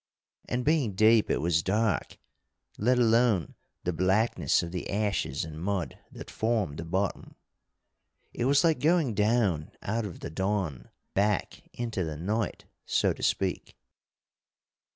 And being deep it was dark, let alone the blackness of the ashes and mud that formed the bottom. It was like going down out of the dawn back into the night, so to speak.